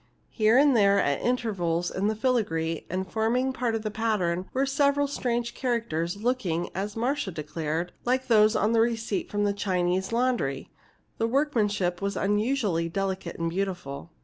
Here and there, at intervals in the filigree, and forming part of the pattern, were several strange characters, looking, as Marcia declared, like those on the receipt from a Chinese laundry. The workmanship was unusually delicate and beautiful.